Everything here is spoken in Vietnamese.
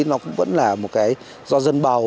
nó cũng vẫn là một cái do dân bầu